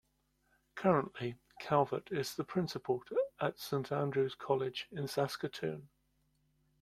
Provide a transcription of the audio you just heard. Currently, Calvert is the principal at Saint Andrew's College in Saskatoon.